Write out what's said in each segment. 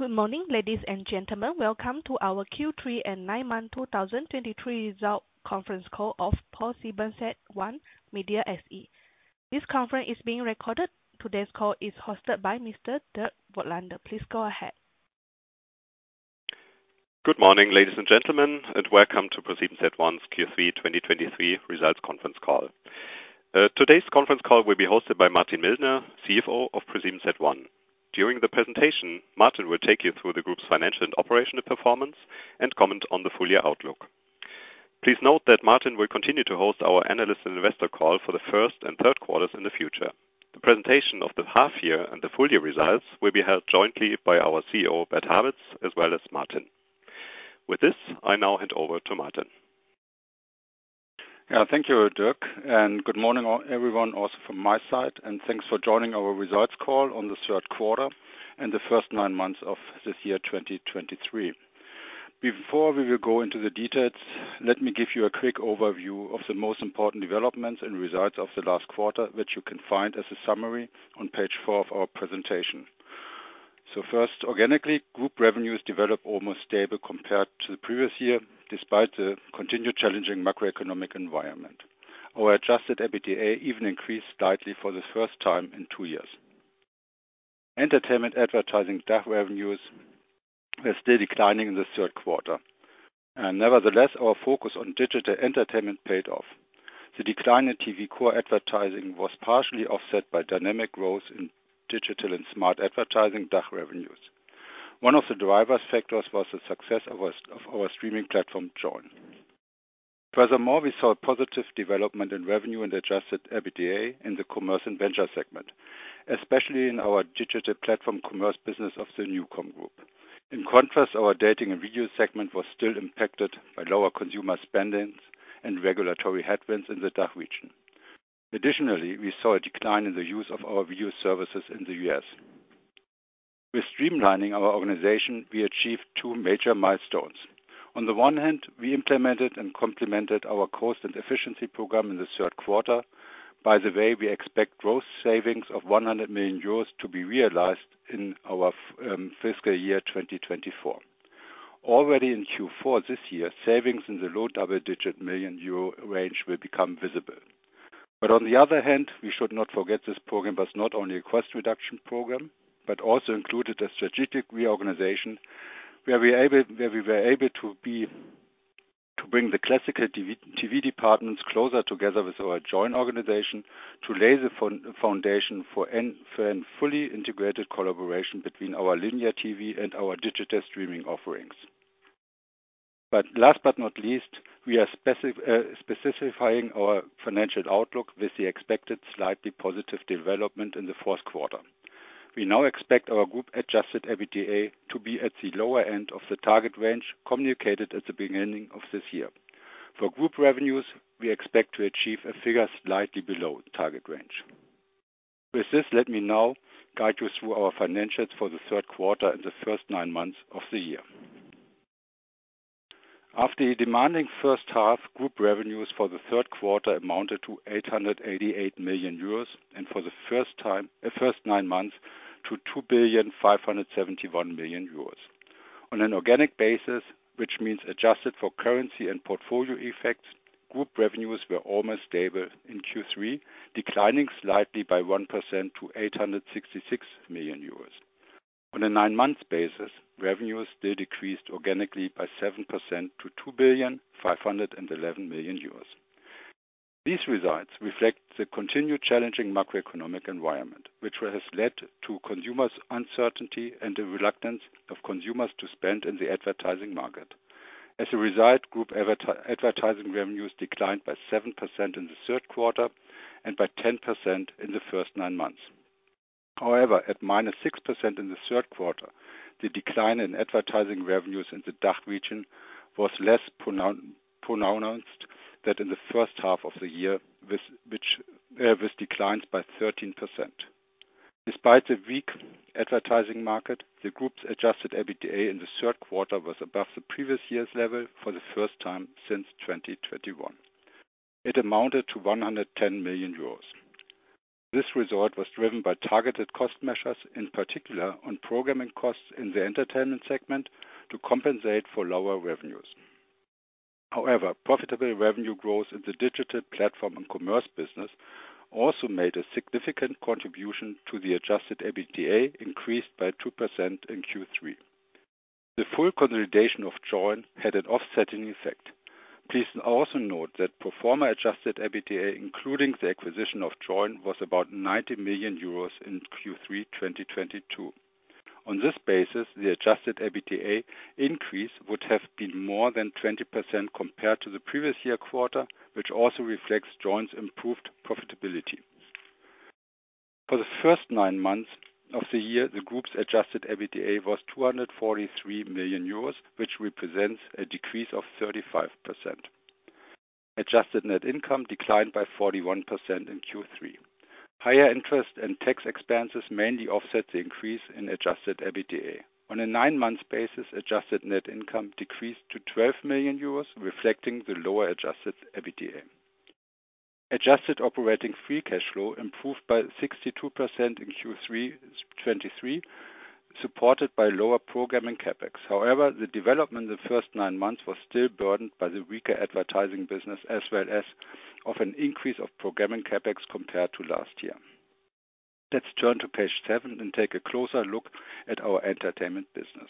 Good morning, ladies and gentlemen. Welcome to our Q3 and nine-month 2023 results conference call of ProSiebenSat.1 Media SE. This conference is being recorded. Today's call is hosted by Mr. Dirk Voigtländer. Please go ahead. Good morning, ladies and gentlemen, and welcome to ProSiebenSat.1's Q3 2023 results conference call. Today's conference call will be hosted by Martin Mildner, CFO of ProSiebenSat.1. During the presentation, Martin will take you through the group's financial and operational performance and comment on the full-year outlook. Please note that Martin will continue to host our analyst and investor call for the first and third quarters in the future. The presentation of the half year and the full-year results will be held jointly by our CEO, Bert Habets, as well as Martin. With this, I now hand over to Martin. Yeah, thank you, Dirk, and good morning, all, everyone, also from my side, and thanks for joining our results call on the third quarter and the first nine months of this year, 2023. Before we will go into the details, let me give you a quick overview of the most important developments and results of the last quarter, which you can find as a summary on page 4 of our presentation. So first, organically, group revenues develop almost stable compared to the previous year, despite the continued challenging macroeconomic environment. Our adjusted EBITDA even increased slightly for the first time in two years. Entertainment advertising, DACH revenues are still declining in the third quarter. And nevertheless, our focus on digital entertainment paid off. The decline in TV core advertising was partially offset by dynamic growth in digital and smart advertising DACH revenues. One of the driver factors was the success of our, of our streaming platform, Joyn. Furthermore, we saw a positive development in revenue and adjusted EBITDA in the commerce and venture segment, especially in our digital platform commerce business of the NuCom Group. In contrast, our dating and video segment was still impacted by lower consumer spending and regulatory headwinds in the DACH region. Additionally, we saw a decline in the use of our video services in the U.S. With streamlining our organization, we achieved two major milestones. On the one hand, we implemented and complemented our cost and efficiency program in the third quarter. By the way, we expect growth savings of 100 million euros to be realized in our fiscal year 2024. Already in Q4 this year, savings in the low double-digit million euro range will become visible. But on the other hand, we should not forget this program was not only a cost reduction program, but also included a strategic reorganization, where we were able to bring the classical TV departments closer together with our joint organization to lay the foundation for a fully integrated collaboration between our linear TV and our digital streaming offerings. But last but not least, we are specifying our financial outlook with the expected slightly positive development in the fourth quarter. We now expect our group-adjusted EBITDA to be at the lower end of the target range, communicated at the beginning of this year. For group revenues, we expect to achieve a figure slightly below target range. With this, let me now guide you through our financials for the third quarter and the first nine months of the year. After a demanding first half, group revenues for the third quarter amounted to 888 million euros, and for the first time, first nine months, to 2,571 million euros. On an organic basis, which means adjusted for currency and portfolio effects, group revenues were almost stable in Q3, declining slightly by 1% to 866 million euros. On a nine-month basis, revenues still decreased organically by 7% to 2,511 million euros. These results reflect the continued challenging macroeconomic environment, which has led to consumers' uncertainty and the reluctance of consumers to spend in the advertising market. As a result, group advertising revenues declined by 7% in the third quarter and by 10% in the first nine months. However, at -6% in the third quarter, the decline in advertising revenues in the DACH region was less pronounced than in the first half of the year, with which was declined by 13%. Despite the weak advertising market, the group's adjusted EBITDA in the third quarter was above the previous year's level for the first time since 2021. It amounted to 110 million euros. This result was driven by targeted cost measures, in particular on programming costs in the entertainment segment, to compensate for lower revenues. However, profitable revenue growth in the digital platform and commerce business also made a significant contribution to the adjusted EBITDA, increased by 2% in Q3. The full consolidation of Joyn had an offsetting effect. Please also note that pro forma adjusted EBITDA, including the acquisition of Joyn, was about 90 million euros in Q3 2022. On this basis, the adjusted EBITDA increase would have been more than 20% compared to the previous year quarter, which also reflects Joyn's improved profitability. For the first nine months of the year, the group's adjusted EBITDA was 243 million euros, which represents a decrease of 35%. Adjusted net income declined by 41% in Q3. Higher interest and tax expenses mainly offset the increase in adjusted EBITDA. On a nine-month basis, adjusted net income decreased to 12 million euros, reflecting the lower adjusted EBITDA. Adjusted operating free cash flow improved by 62% in Q3 2023, supported by lower Programming CapEx. However, the development in the first nine months was still burdened by the weaker advertising business, as well as of an increase of Programming CapEx compared to last year. Let's turn to page seven and take a closer look at our entertainment business.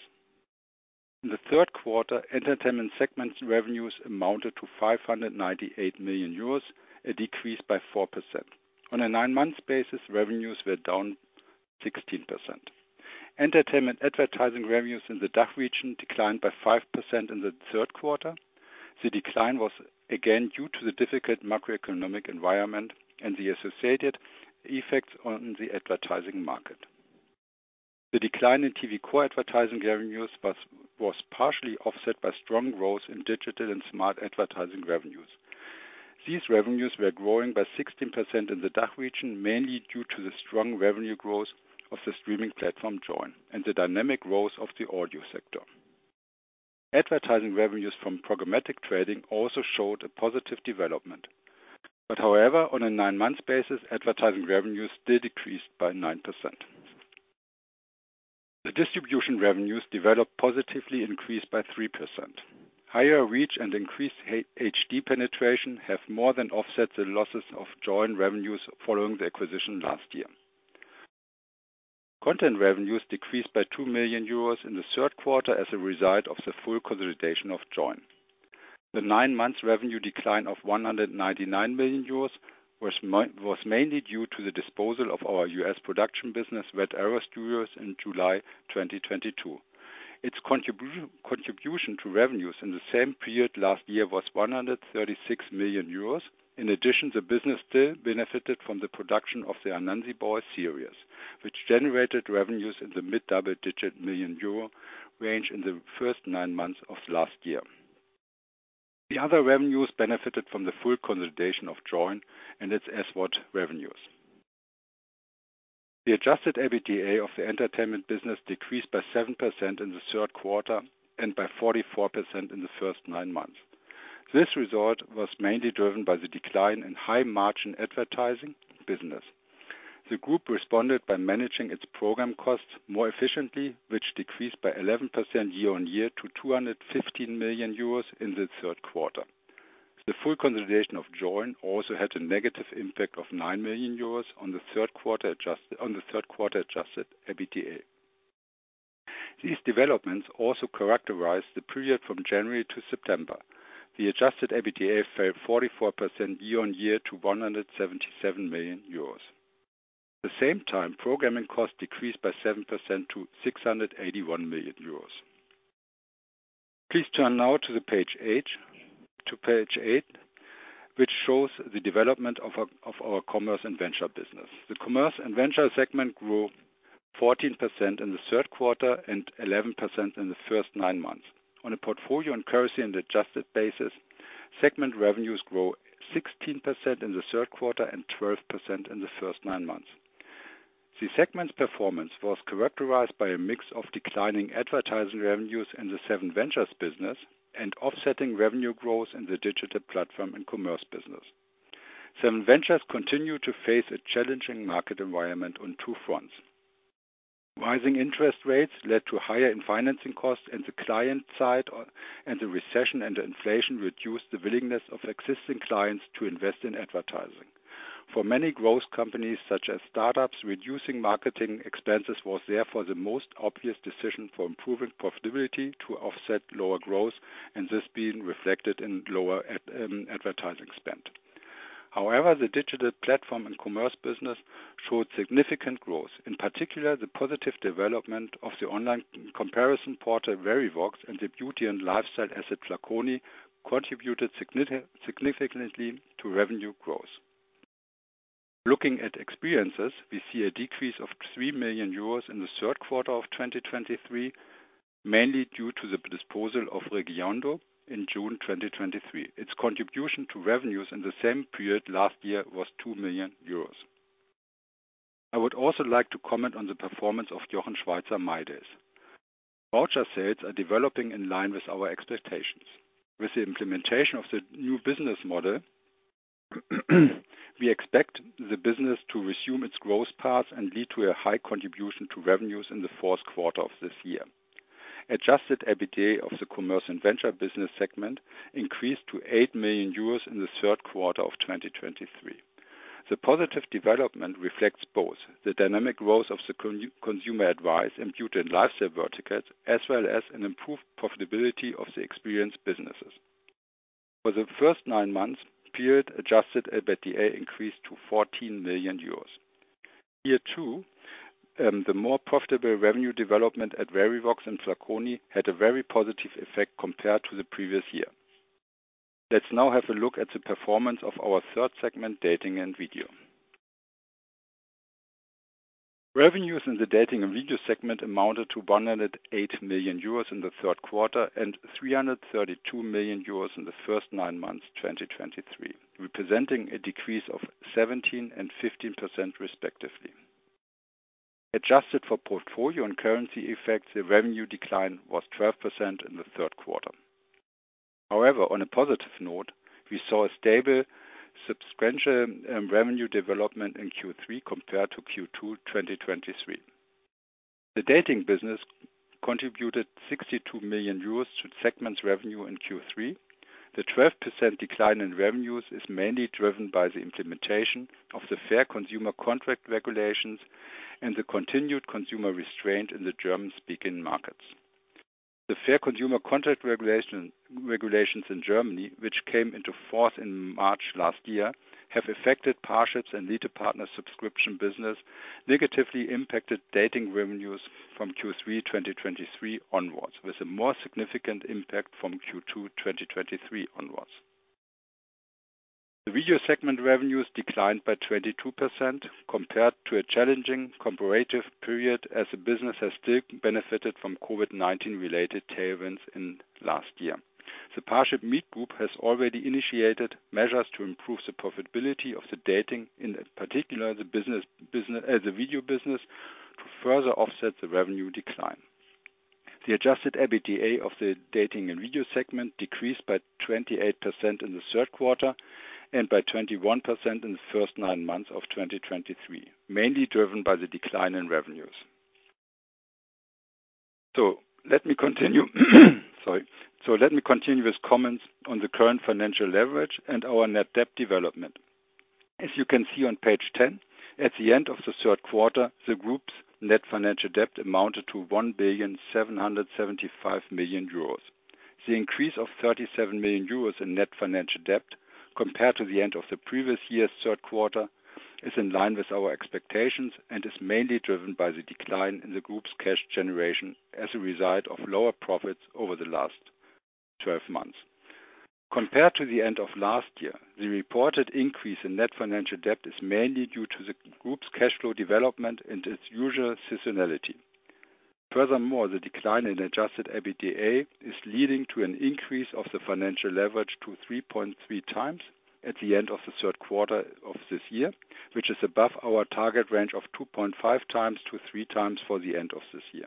In the third quarter, entertainment segment revenues amounted to 598 million euros, a decrease by 4%. On a nine-month basis, revenues were down 16%. Entertainment advertising revenues in the DACH region declined by 5% in the third quarter. The decline was again due to the difficult macroeconomic environment and the associated effects on the advertising market. The decline in TV core advertising revenues was partially offset by strong growth in digital and smart advertising revenues. These revenues were growing by 16% in the DACH region, mainly due to the strong revenue growth of the streaming platform Joyn and the dynamic growth of the audio sector. Advertising revenues from programmatic trading also showed a positive development. But however, on a nine-month basis, advertising revenues still decreased by 9%. The distribution revenues developed positively, increased by 3%. Higher reach and increased HD penetration have more than offset the losses of Joyn revenues following the acquisition last year. Content revenues decreased by 2 million euros in the third quarter as a result of the full consolidation of Joyn. The nine-month revenue decline of 199 million euros was was mainly due to the disposal of our U.S. production business, Red Arrow Studios, in July 2022. Its contribution to revenues in the same period last year was 136 million euros. In addition, the business still benefited from the production of Anansi Boys, which generated revenues in the mid-double-digit million euro range in the first nine months of last year. The other revenues benefited from the full consolidation of Joyn and its SVOD revenues. The adjusted EBITDA of the entertainment business decreased by 7% in the third quarter and by 44% in the first nine months. This result was mainly driven by the decline in high-margin advertising business. The group responded by managing its program costs more efficiently, which decreased by 11% year-on-year to 215 million euros in the third quarter. The full consolidation of Joyn also had a negative impact of 9 million euros on the third quarter adjusted EBITDA. These developments also characterized the period from January to September. The adjusted EBITDA fell 44% year-on-year to 177 million euros. At the same time, programming costs decreased by 7% to 681 million euros. Please turn now to the page eight, to page eight, which shows the development of our, of our commerce and venture business. The commerce and venture segment grew 14% in the third quarter and 11% in the first nine months. On a portfolio and currency and adjusted basis, segment revenues grew 16% in the third quarter and 12% in the first nine months. The segment's performance was characterized by a mix of declining advertising revenues in the SevenVentures business and offsetting revenue growth in the digital platform and commerce business. SevenVentures continues to face a challenging market environment on two fronts. Rising interest rates led to higher financing costs, and the client side, and the recession and inflation reduced the willingness of existing clients to invest in advertising. For many growth companies, such as startups, reducing marketing expenses was therefore the most obvious decision for improving profitability to offset lower growth, and this being reflected in lower advertising spend. However, the digital platform and commerce business showed significant growth, in particular, the positive development of the online comparison portal Verivox and the beauty and lifestyle asset Flaconi contributed significantly to revenue growth. Looking at experiences, we see a decrease of 3 million euros in the third quarter of 2023, mainly due to the disposal of Regiondo in June 2023. Its contribution to revenues in the same period last year was 2 million euros. I would also like to comment on the performance of Jochen Schweizer mydays. Voucher sales are developing in line with our expectations. With the implementation of the new business model, we expect the business to resume its growth path and lead to a high contribution to revenues in the fourth quarter of this year. Adjusted EBITDA of the commerce and venture business segment increased to 8 million euros in the third quarter of 2023. The positive development reflects both the dynamic growth of the consumer advice in beauty and lifestyle verticals, as well as an improved profitability of the experience businesses. For the first nine months period, adjusted EBITDA increased to 14 million euros. Here, too, the more profitable revenue development at Verivox and Flaconi had a very positive effect compared to the previous year. Let's now have a look at the performance of our third segment, Dating and Video. Revenues in the Dating and Video segment amounted to 108 million euros in the third quarter and 332 million euros in the first nine months 2023, representing a decrease of 17% and 15%, respectively.. Adjusted for portfolio and currency effects, the revenue decline was 12% in the third quarter. However, on a positive note, we saw a stable subscription and revenue development in Q3 compared to Q2 2023. The dating business contributed 62 million euros to the segment's revenue in Q3. The 12% decline in revenues is mainly driven by the implementation of the Fair Consumer Contracts regulations and the continued consumer restraint in the German-speaking markets. The Fair Consumer Contracts regulations in Germany, which came into force in March last year, have affected Parship and ElitePartner subscription business, negatively impacted dating revenues from Q3 2023 onwards, with a more significant impact from Q2 2023 onwards. The video segment revenues declined by 22% compared to a challenging comparative period, as the business has still benefited from COVID-19 related tailwinds in last year. The ParshipMeet Group has already initiated measures to improve the profitability of the dating, in particular, the business, the video business, to further offset the revenue decline. The adjusted EBITDA of the dating and video segment decreased by 28% in the third quarter and by 21% in the first nine months of 2023, mainly driven by the decline in revenues. So let me continue. Sorry. So let me continue with comments on the current financial leverage and our net debt development. As you can see on page 10, at the end of the third quarter, the group's net financial debt amounted to 1,775 million euros. The increase of 37 million euros in net financial debt compared to the end of the previous year's third quarter, is in line with our expectations and is mainly driven by the decline in the group's cash generation as a result of lower profits over the last twelve months. Compared to the end of last year, the reported increase in net financial debt is mainly due to the group's cash flow development and its usual seasonality. Furthermore, the decline in adjusted EBITDA is leading to an increase of the financial leverage to 3.3x at the end of the third quarter of this year, which is above our target range of 2.5x-3x for the end of this year.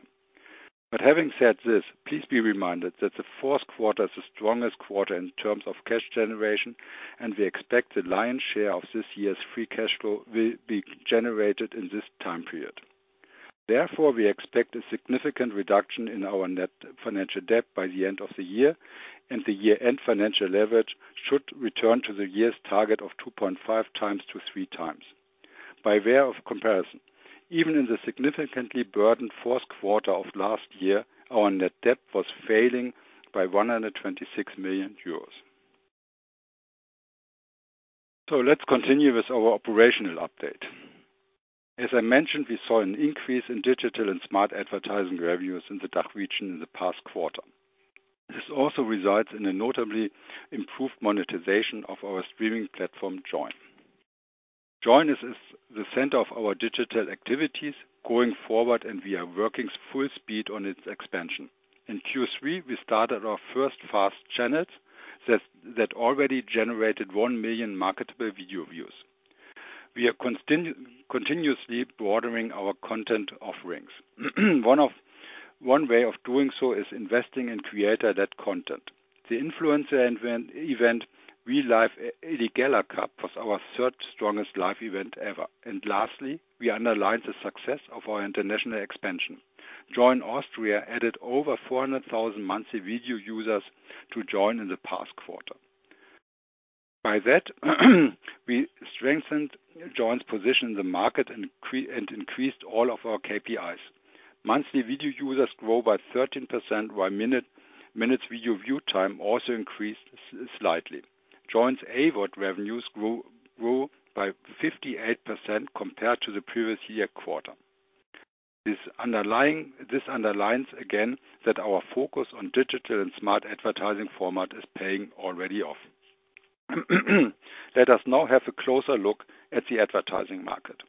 But having said this, please be reminded that the fourth quarter is the strongest quarter in terms of cash generation, and we expect the lion's share of this year's free cash flow will be generated in this time period. Therefore, we expect a significant reduction in our net financial debt by the end of the year, and the year-end financial leverage should return to the year's target of 2.5x-3x. By way of comparison, even in the significantly burdened fourth quarter of last year, our net debt was falling by EUR 126 million. So let's continue with our operational update. As I mentioned, we saw an increase in digital and smart advertising revenues in the DACH region in the past quarter. This also results in a notably improved monetization of our streaming platform, Joyn. Joyn is the center of our digital activities going forward, and we are working full speed on its expansion. In Q3, we started our first FAST channels that already generated 1 million marketable video views. We are continuously broadening our content offerings. One way of doing so is investing in creator-led content. The influencer event, Real Life Eligella Cup, was our third strongest live event ever. And lastly, we underline the success of our international expansion. Joyn Austria added over 400,000 monthly video users to Joyn in the past quarter. By that, we strengthened Joyn's position in the market and increased all of our KPIs. Monthly video users grew by 13%, while minutes video view time also increased slightly. Joyn's AVOD revenues grew by 58% compared to the previous year quarter. This underlines, again, that our focus on digital and smart advertising formats is paying off already. Let us now have a closer look at the advertising market.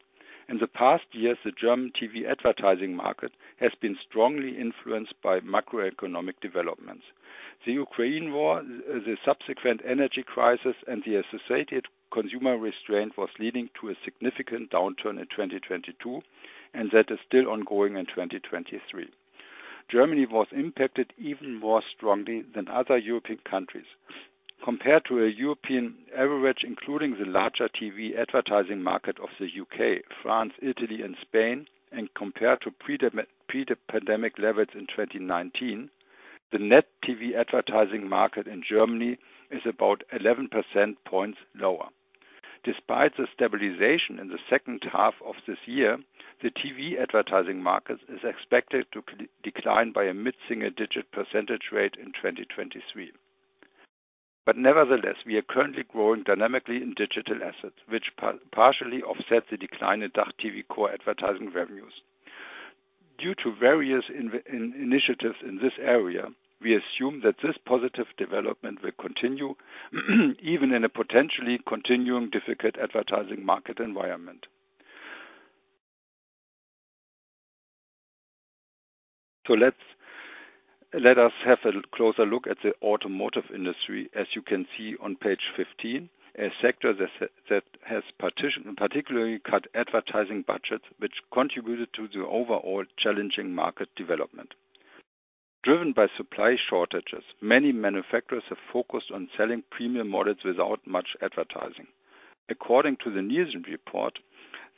In the past years, the German TV advertising market has been strongly influenced by macroeconomic developments. The Ukraine war, the subsequent energy crisis, and the associated consumer restraint, was leading to a significant downturn in 2022, and that is still ongoing in 2023. Germany was impacted even more strongly than other European countries. Compared to a European average, including the larger TV advertising market of the U.K., France, Italy, and Spain, and compared to pre-pandemic levels in 2019, the net TV advertising market in Germany is about 11 percentage points lower. Despite the stabilization in the second half of this year, the TV advertising market is expected to decline by a mid-single-digit percentage rate in 2023. But nevertheless, we are currently growing dynamically in digital assets, which partially offset the decline in DACH TV core advertising revenues. Due to various initiatives in this area, we assume that this positive development will continue even in a potentially continuing difficult advertising market environment. So let us have a closer look at the automotive industry. As you can see on page 15, a sector that has particularly cut advertising budgets, which contributed to the overall challenging market development. Driven by supply shortages, many manufacturers have focused on selling premium models without much advertising. According to the Nielsen report,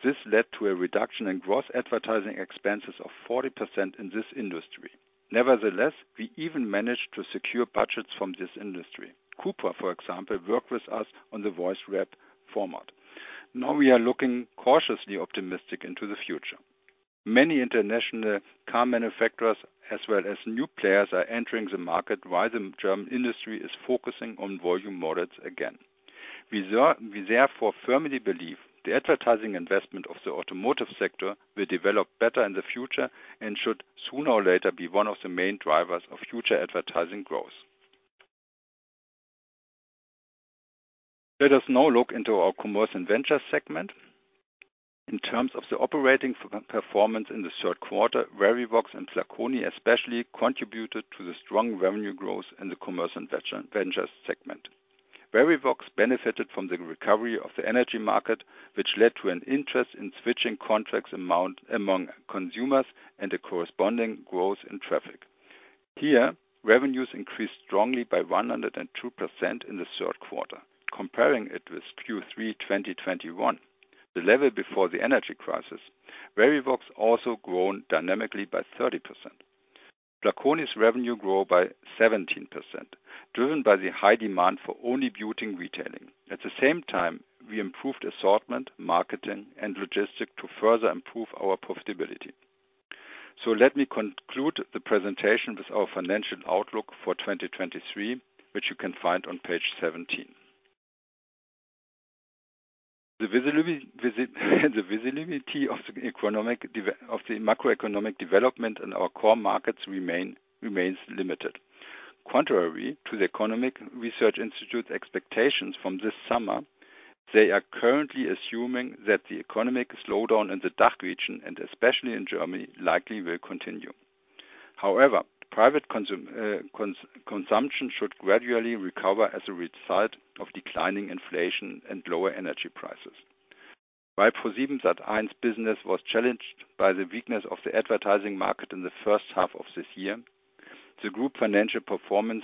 this led to a reduction in gross advertising expenses of 40% in this industry. Nevertheless, we even managed to secure budgets from this industry. CUPRA, for example, worked with us on the Voice Rap format. Now we are looking cautiously optimistic into the future. Many international car manufacturers as well as new players are entering the market, while the German industry is focusing on volume models again. We therefore firmly believe the advertising investment of the automotive sector will develop better in the future and should sooner or later be one of the main drivers of future advertising growth. Let us now look into our Commerce and Ventures segment. In terms of the operating performance in the third quarter, Verivox and Flaconi especially contributed to the strong revenue growth in the Commerce and Ventures segment. Verivox benefited from the recovery of the energy market, which led to an interest in switching contracts amount among consumers and a corresponding growth in traffic. Here, revenues increased strongly by 102% in the third quarter, comparing it with Q3 2021, the level before the energy crisis. Verivox also grown dynamically by 30%. Flaconi's revenue grew by 17%, driven by the high demand for only beauty and retailing. At the same time, we improved assortment, marketing, and logistics to further improve our profitability. So let me conclude the presentation with our financial outlook for 2023, which you can find on page 17. The visibility of the economic development of the macroeconomic development in our core markets remains limited. Contrary to the Economic Research Institute expectations from this summer, they are currently assuming that the economic slowdown in the DACH region, and especially in Germany, likely will continue. However, private consumption should gradually recover as a result of declining inflation and lower energy prices. While ProSiebenSat.1's business was challenged by the weakness of the advertising market in the first half of this year, the group financial performance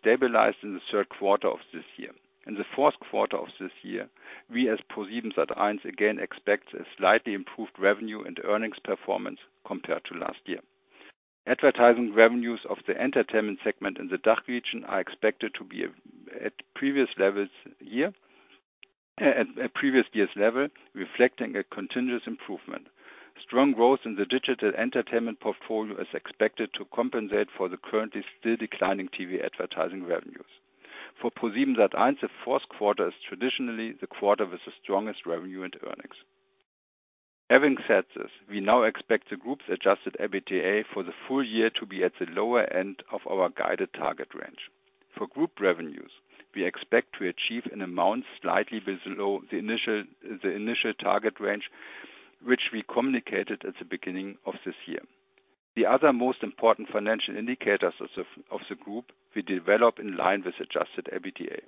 stabilized in the third quarter of this year. In the fourth quarter of this year, we, as ProSiebenSat.1, again expect a slightly improved revenue and earnings performance compared to last year. Advertising revenues of the entertainment segment in the DACH region are expected to be at previous year's level, reflecting a continuous improvement. Strong growth in the digital entertainment portfolio is expected to compensate for the currently still declining TV advertising revenues. For ProSiebenSat.1, the fourth quarter is traditionally the quarter with the strongest revenue and earnings. Having said this, we now expect the group's adjusted EBITDA for the full-year to be at the lower end of our guided target range. For group revenues, we expect to achieve an amount slightly below the initial target range, which we communicated at the beginning of this year. The other most important financial indicators of the group will develop in line with adjusted EBITDA.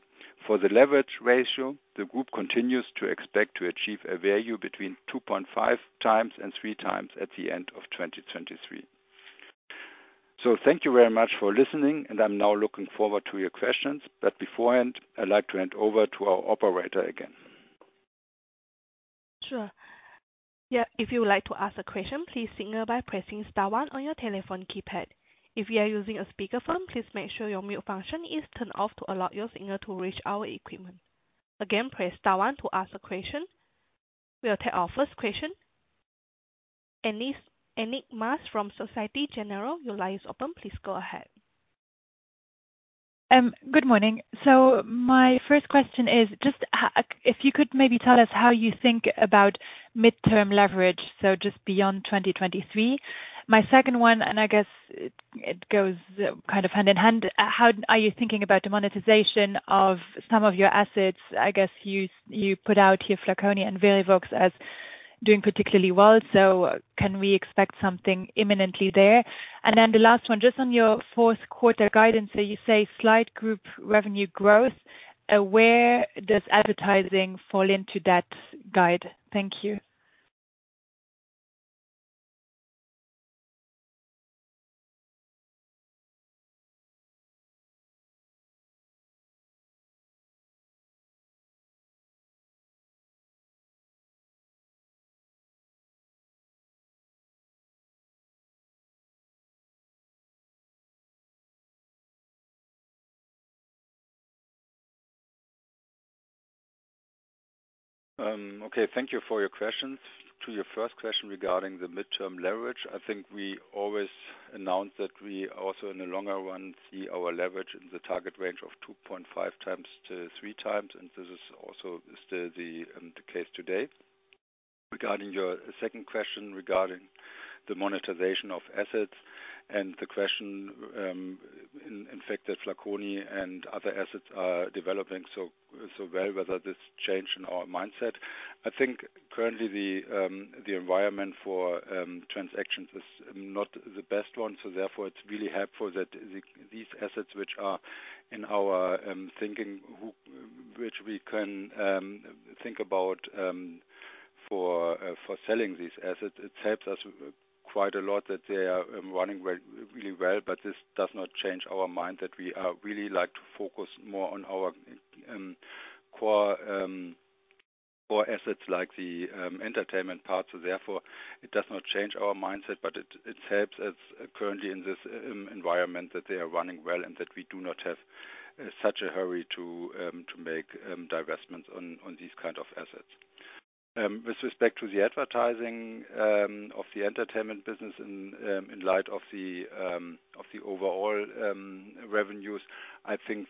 For the leverage ratio, the group continues to expect to achieve a value between 2.5x and 3x at the end of 2023. Thank you very much for listening, and I'm now looking forward to your questions, but beforehand, I'd like to hand over to our operator again. Sure. Yeah, if you would like to ask a question, please signal by pressing star one on your telephone keypad. If you are using a speakerphone, please make sure your mute function is turned off to allow your signal to reach our equipment. Again, press star one to ask a question. We'll take our first question. Annick Maas from Société Générale, your line is open. Please go ahead. Good morning. So my first question is just if you could maybe tell us how you think about midterm leverage, so just beyond 2023. My second one, and I guess it goes kind of hand in hand. How are you thinking about the monetization of some of your assets? I guess you put out here, Flaconi and Verivox, as doing particularly well, so can we expect something imminently there? And then the last one, just on your fourth quarter guidance, so you say slight group revenue growth. Where does advertising fall into that guide? Thank you. Okay. Thank you for your questions. To your first question regarding the midterm leverage, I think we always announce that we also, in the longer run, see our leverage in the target range of 2.5x-3x, and this is also still the case today. Regarding your second question, regarding the monetization of assets and the question, in fact, that Flaconi and other assets are developing so, so well, whether this change in our mindset. I think currently the environment for transactions is not the best one. So therefore, it's really helpful that these assets which are in our thinking, which we can think about for selling these assets. It helps us quite a lot that they are running really well, but this does not change our mind that we are really like to focus more on our core assets like the entertainment parts. So therefore, it does not change our mindset, but it helps us currently in this environment that they are running well, and that we do not have such a hurry to make divestments on these kind of assets. With respect to the advertising of the entertainment business in light of the overall revenues, I think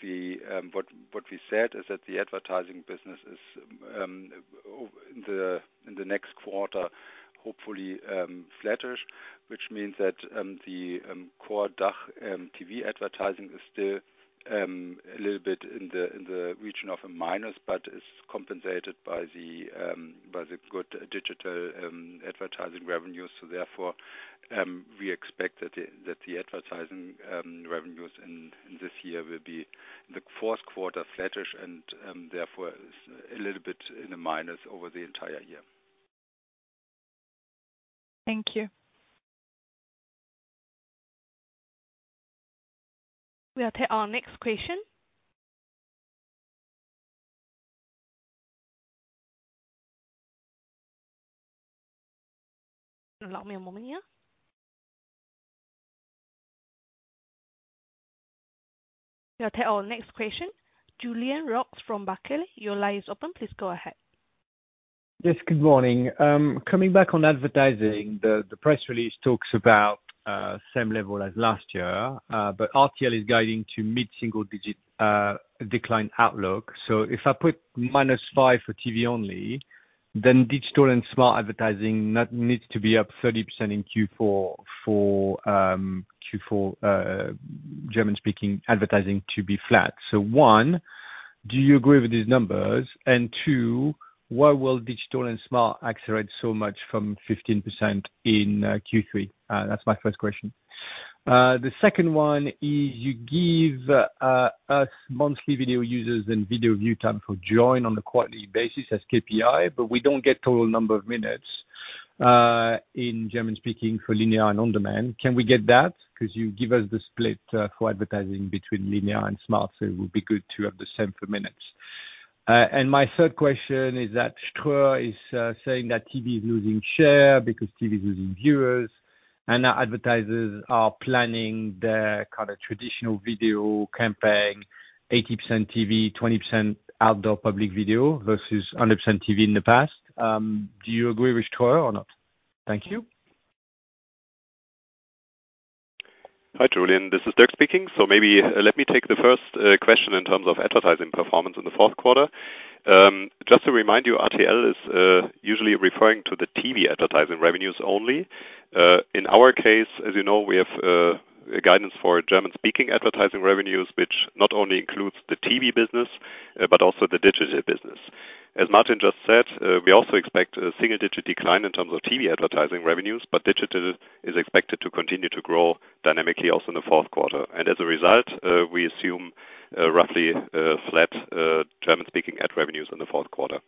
what we said is that the advertising business is in the next quarter, hopefully, flattish. Which means that the core DACH TV advertising is still a little bit in the region of a minus, but is compensated by the good digital advertising revenues. So therefore, we expect that the advertising revenues in this year will be the fourth quarter flattish and, therefore, is a little bit in the minus over the entire year. Thank you. We'll take our next question. Allow me a moment here. We'll take our next question. Julien Roch from Barclays, your line is open. Please go ahead. Yes, good morning. Coming back on advertising, the press release talks about same level as last year. But RTL is guiding to mid-single digit decline outlook. So if I put -5 for TV only, then digital and smart advertising, that needs to be up 30% in Q4 for Q4 German-speaking advertising to be flat. So one, do you agree with these numbers? And two, why will digital and smart accelerate so much from 15% in Q3? That's my first question. The second one is, you give us monthly video users and video view time for Joyn on the quarterly basis as KPI, but we don't get total number of minutes in German-speaking for linear and on-demand. Can we get that? Because you give us the split for advertising between linear and smart, so it would be good to have the same for minutes. And my third question is that Ströer is saying that TV is losing share because TV is losing viewers, and now advertisers are planning their kind of traditional video campaign, 80% TV, 20% outdoor public video, versus 100% TV in the past. Do you agree with Ströer or not? Thank you. Hi, Julian, this is Dirk speaking. So maybe let me take the first question in terms of advertising performance in the fourth quarter. Just to remind you, RTL is usually referring to the TV advertising revenues only. In our case, as you know, we have a guidance for German-speaking advertising revenues, which not only includes the TV business, but also the digital business. As Martin just said, we also expect a single-digit decline in terms of TV advertising revenues, but digital is expected to continue to grow dynamically also in the fourth quarter. And as a result, we assume roughly flat German-speaking ad revenues in the fourth quarter.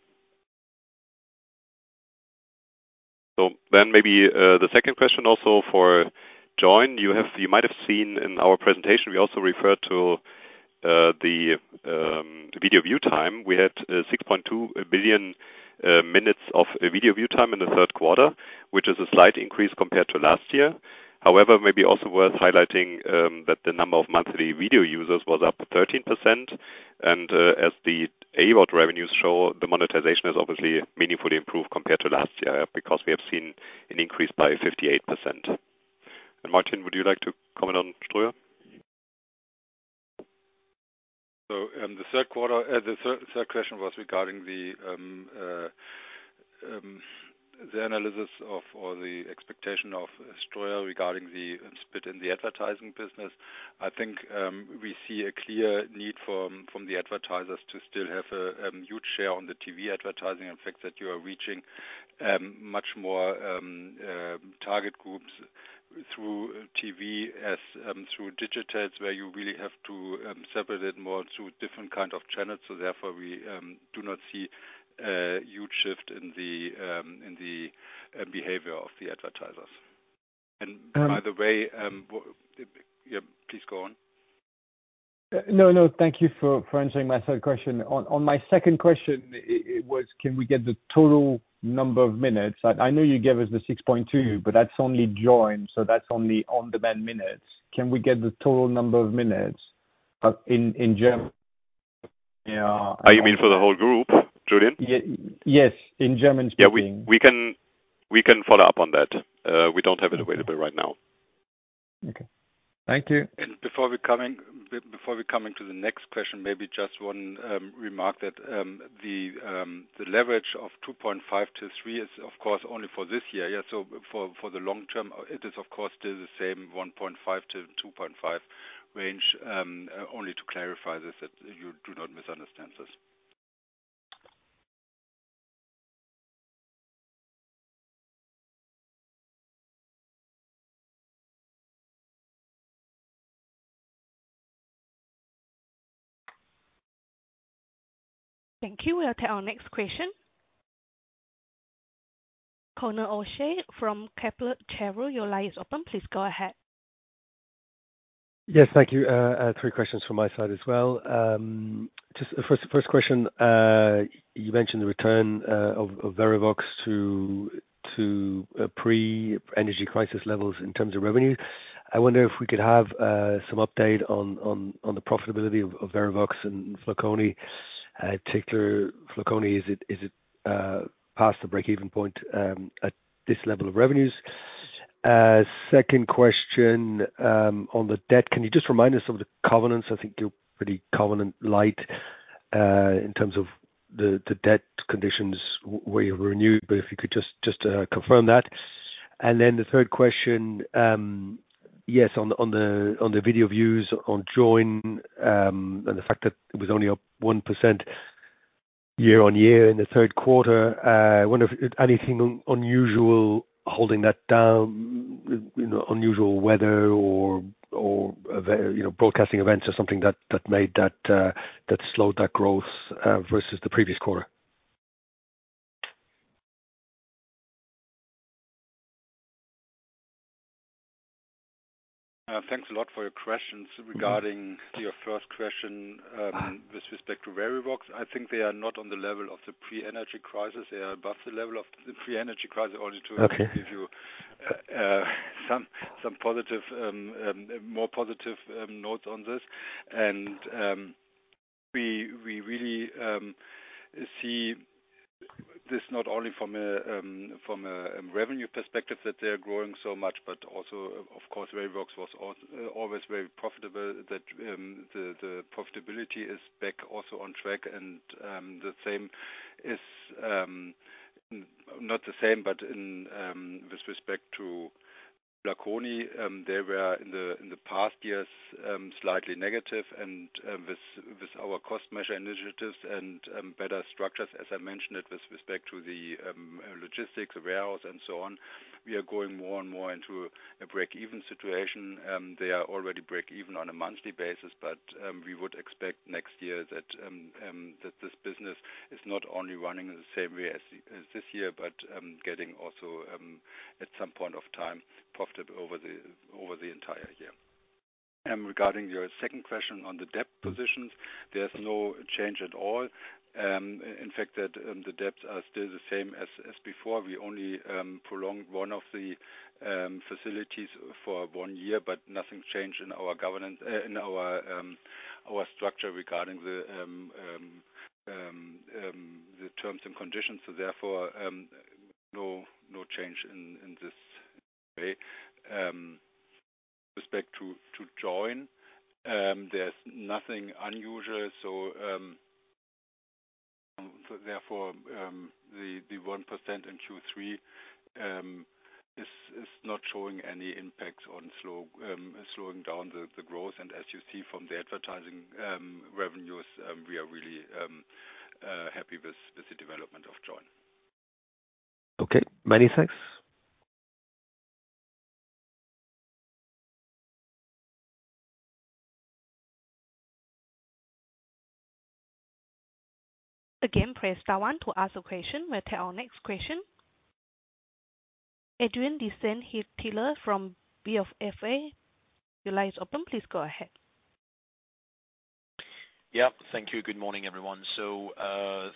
So then maybe the second question also for Joyn. You have, you might have seen in our presentation, we also referred to the video view time. We had 6.2 billion minutes of video view time in the third quarter, which is a slight increase compared to last year. However, maybe also worth highlighting that the number of monthly video users was up 13%. And as the AVOD revenues show, the monetization has obviously meaningfully improved compared to last year, because we have seen an increase by 58%. And Martin, would you like to comment on Ströer? So, the third quarter, the third question was regarding the analysis of, or the expectation of Ströer, regarding the split in the advertising business. I think, we see a clear need from the advertisers to still have a huge share on the TV advertising. In fact, that you are reaching much more target groups through TV as through digitals, where you really have to separate it more through different kind of channels. So therefore, we do not see a huge shift in the behavior of the advertisers. And by the way, yeah, please go on. No, no, thank you for answering my third question. On my second question, it was, can we get the total number of minutes? I know you gave us the 6.2, but that's only Joyn, so that's only on-demand minutes. Can we get the total number of minutes in German? Yeah. Oh, you mean for the whole group, Julien? Yes, in German-speaking. Yeah, we can, we can follow up on that. We don't have it available right now. Okay, thank you. Before we come to the next question, maybe just one remark that the leverage of 2.5-3 is, of course, only for this year. Yeah, so for the long term, it is, of course, still the same 1.5-2.5 range. Only to clarify this, that you do not misunderstand this. Thank you. We'll take our next question. Conor O'Shea from Kepler Cheuvreux, your line is open. Please go ahead. Yes, thank you. I have three questions from my side as well. Just the first question, you mentioned the return of Verivox to pre-energy crisis levels in terms of revenue. I wonder if we could have some update on the profitability of Verivox and Flaconi. Particularly Flaconi, is it past the break-even point at this level of revenues? Second question, on the debt, can you just remind us of the covenants? I think you're pretty covenant light in terms of the debt conditions where you renewed, but if you could just confirm that. Then the third question, yes, on the video views on Joyn, and the fact that it was only up 1% year-on-year in the third quarter, I wonder if anything unusual holding that down, you know, unusual weather or you know, broadcasting events or something that slowed that growth versus the previous quarter? Thanks a lot for your questions. Regarding your first question, with respect to Verivox, I think they are not on the level of the pre-energy crisis. They are above the level of the pre-energy crisis, only to give you some positive, more positive notes on this. And, we really see this not only from a revenue perspective that they are growing so much, but also, of course, Verivox was always very profitable, that the profitability is back also on track. And, the same is not the same, but with respect to Flaconi, they were in the past years slightly negative. And, with our cost measure initiatives and better structures, as I mentioned, with respect to the logistics, the warehouse, and so on, we are going more and more into a break-even situation. They are already break even on a monthly basis, but we would expect next year that this business is not only running the same way as this year, but getting also at some point of time, profitable over the entire year. And regarding your second question on the debt positions, there's no change at all. In fact, the debts are still the same as before. We only prolonged one of the facilities for one year, but nothing changed in our governance, in our structure regarding the terms and conditions. So therefore, no change in this way. Respect to Joyn, there's nothing unusual, so therefore the 1% in Q3 is not showing any impact on slowing down the growth. And as you see from the advertising revenues, we are really happy with the development of Joyn. Okay, many thanks. Again, press star one to ask a question. We'll take our next question. Adrien de Saint Hilaire from BofA, your line is open. Please go ahead. Yep. Thank you. Good morning, everyone. So,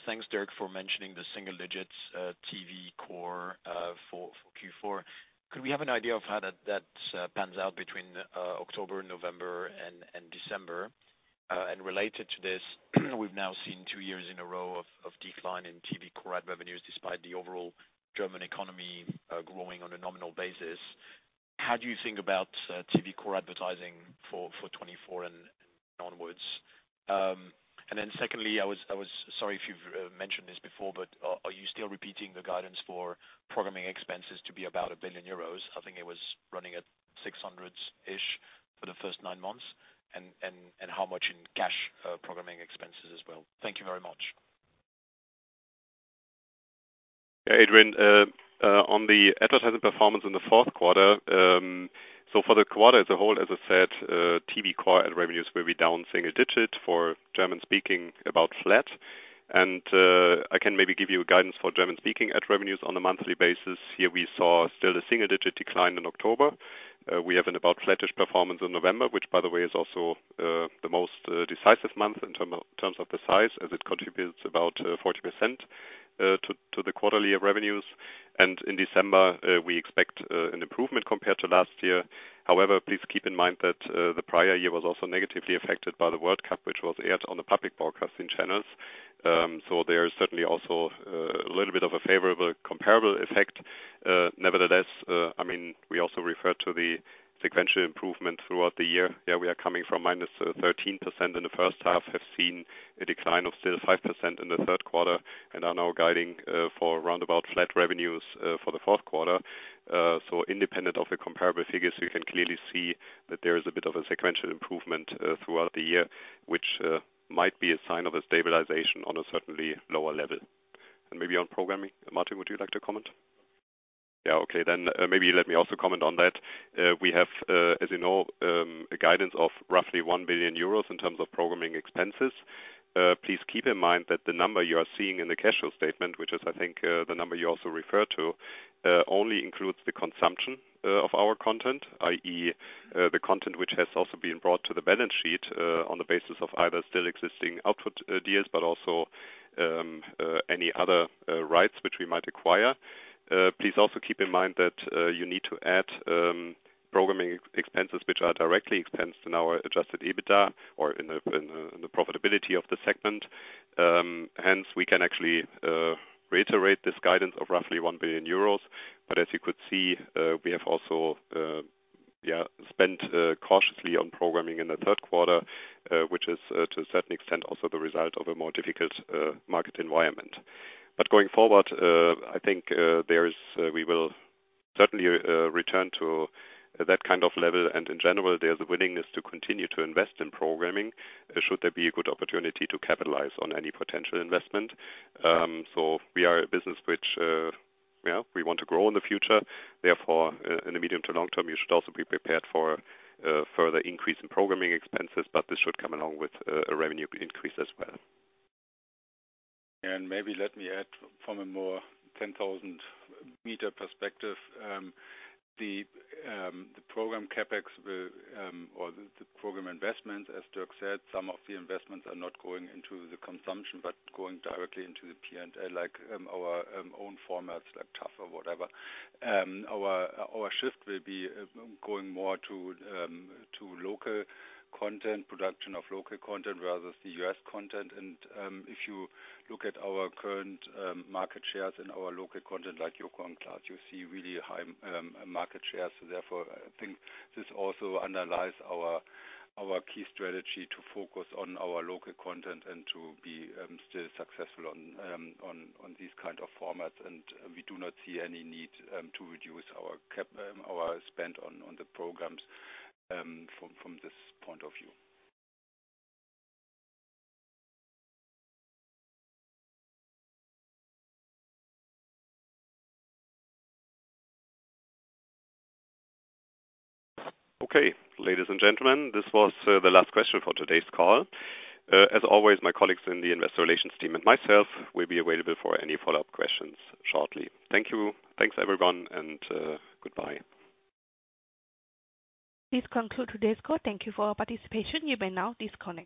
thanks, Dirk, for mentioning the single digits, TV core, for Q4. Could we have an idea of how that pans out between October, November, and December? And related to this, we've now seen two years in a row of decline in TV core ad revenues, despite the overall German economy growing on a nominal basis. How do you think about TV core advertising for 2024 and onwards? And then secondly, sorry if you've mentioned this before, but are you still repeating the guidance for programming expenses to be about 1 billion euros? I think it was running at 600-ish for the first nine months. And how much in cash programming expenses as well? Thank you very much. Adrien, on the advertising performance in the fourth quarter, so for the quarter as a whole, as I said, TV core ad revenues will be down single digits for German-speaking, about flat. And, I can maybe give you guidance for German-speaking ad revenues on a monthly basis. Here, we saw still a single-digit decline in October. We have an about flattish performance in November, which by the way, is also, the most decisive month in terms of the size, as it contributes about 40% to the quarterly revenues. And in December, we expect an improvement compared to last year. However, please keep in mind that the prior year was also negatively affected by the World Cup, which was aired on the public broadcasting channels. So there is certainly also a little bit of a favorable comparable effect. Nevertheless, I mean, we also referred to the sequential improvement throughout the year. Yeah, we are coming from -13% in the first half, have seen a decline of still 5% in the third quarter, and are now guiding for roundabout flat revenues for the fourth quarter. So independent of the comparable figures, you can clearly see that there is a bit of a sequential improvement throughout the year, which might be a sign of a stabilization on a certainly lower level. And maybe on programming, Martin, would you like to comment? Yeah, okay, then maybe let me also comment on that. We have, as you know, a guidance of roughly 1 billion euros in terms of programming expenses. Please keep in mind that the number you are seeing in the cash flow statement, which is, I think, the number you also refer to, only includes the consumption of our content, i.e., the content which has also been brought to the balance sheet on the basis of either still existing output deals, but also any other rights which we might acquire. Please also keep in mind that you need to add programming expenses, which are directly expensed in our adjusted EBITDA or in the profitability of the segment. Hence, we can actually reiterate this guidance of roughly 1 billion euros. But as you could see, we have also spent cautiously on programming in the third quarter, which is, to a certain extent, also the result of a more difficult market environment. But going forward, I think we will certainly return to that kind of level, and in general, there's a willingness to continue to invest in programming, should there be a good opportunity to capitalize on any potential investment. So we are a business which we want to grow in the future. Therefore, in the medium to long term, you should also be prepared for further increase in programming expenses, but this should come along with a revenue increase as well. And maybe let me add from a more 10,000 m perspective, the program CapEx will, or the program investment, as Dirk said, some of the investments are not going into the consumption, but going directly into the P&L, like, our own formats, like taff or whatever. Our shift will be going more to local content, production of local content rather than the U.S. content. And if you look at our current market shares in our local content, like Joko and Klaas, you see really high market shares. So therefore, I think this also underlies our key strategy to focus on our local content and to be still successful on these kind of formats. We do not see any need to reduce our cap, our spend on the programs from this point of view. Okay, ladies and gentlemen, this was the last question for today's call. As always, my colleagues in the investor relations team and myself will be available for any follow-up questions shortly. Thank you. Thanks, everyone, and goodbye. This concludes today's call. Thank you for your participation. You may now disconnect.